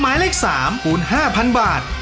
หมายเลข๓คูณ๕๐๐๐บาท